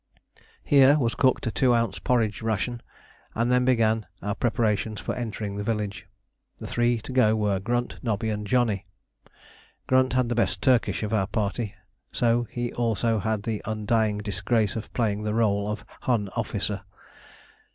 Here was cooked a two ounce porridge ration, and then began our preparations for entering the village. The three to go were Grunt, Nobby, and Johnny. Grunt had the best Turkish of our party, so he also had the undying disgrace of playing the rôle of Hun officer.